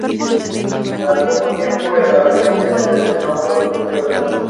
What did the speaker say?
Al poco tiempo, el Ateneo le nombró Socio de Honor.